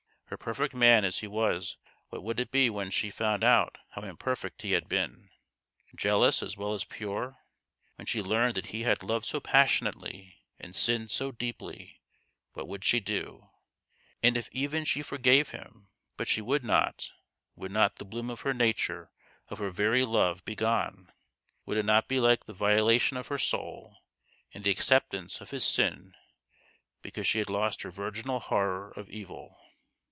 Her perfect man as he was what would it be when she found out how imperfect he had been ? jealous as well as pure ; when she learned that he had loved so passionately and sinned so deeply, what would she do ? And if even she forgave him but she would not would not the bloom of her nature, of her very love, be gone ? Would it not be like the violation of her soul, and the acceptance of his sin because she had lost her virginal horror of evil